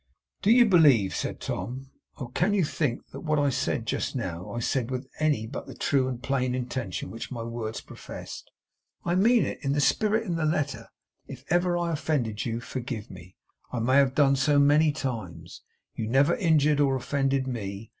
'Do you believe,' said Tom, 'oh, can you think, that what I said just now, I said with any but the true and plain intention which my words professed? I mean it, in the spirit and the letter. If I ever offended you, forgive me; I may have done so, many times. You never injured or offended me.